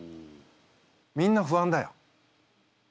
みんな不安だよ。